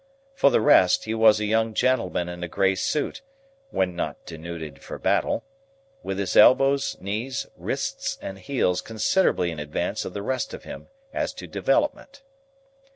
For the rest, he was a young gentleman in a grey suit (when not denuded for battle), with his elbows, knees, wrists, and heels considerably in advance of the rest of him as to development.